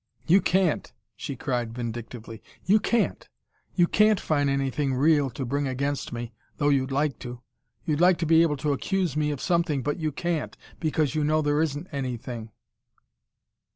"You CAN'T," she cried vindictively. "You CAN'T. You CAN'T find anything real to bring against me, though you'd like to. You'd like to be able to accuse me of something, but you CAN'T, because you know there isn't anything."